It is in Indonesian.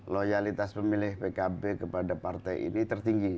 loyalitas pemilih pkb kepada partai ini tertinggi